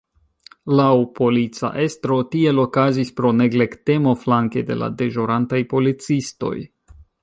Laŭ polica estro tiel okazis pro neglektemo flanke de la deĵorantaj policistoj.